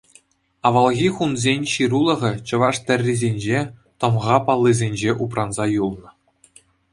Авалхи хунсен ҫырулӑхӗ чӑваш тӗррисенче, тӑмха паллисенче упранса юлнӑ.